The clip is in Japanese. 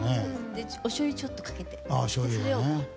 おしょうゆをちょっとかけて。